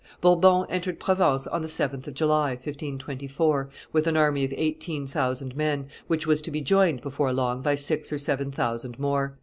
Bourbon entered Provence on the 7th of July, 1524, with an army of eighteen thousand men, which was to be joined before long by six or seven thousand more.